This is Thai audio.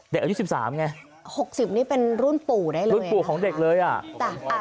เด็กอายุสิบสามไงหกสิบนี่เป็นรุ่นปู่ได้เลยรุ่นปู่ของเด็กเลยอ่ะจ้ะอ่า